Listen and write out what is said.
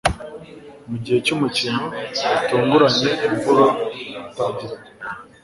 mugihe cyumukino, gitunguranye imvura itangira kugwa